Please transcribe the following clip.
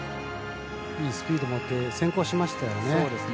いいスピードを持って先行しましたよね。